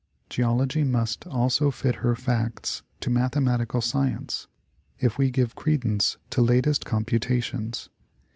Geology must also fit her facts to mathematical science if we give credence to latest computations.